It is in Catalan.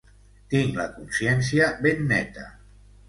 Tinc la consciència ben neta.